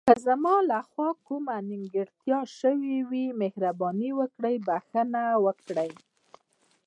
که زما له خوا کومه نیمګړتیا شوې وي، مهرباني وکړئ بښنه وکړئ.